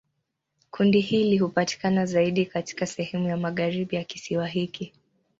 Kundi hili hupatikana zaidi katika sehemu ya magharibi ya kisiwa hiki.